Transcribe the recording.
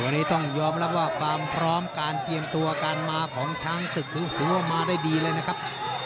วันนี้ต้องยอมรับว่าความพร้อมการเตรียมตัวการมาของช้างศึกถือว่ามาได้ดีเลยนะครับ